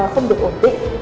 không được ổn định